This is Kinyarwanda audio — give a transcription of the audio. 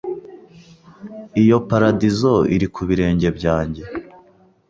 iyo paradizo iri ku birenge byanjye